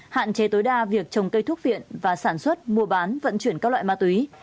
hạn chế tối đa việc trồng cây thuốc viện và sản xuất mua bán vận chuyển các loại ma túy